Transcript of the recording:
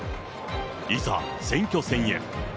いざ、選挙戦へ。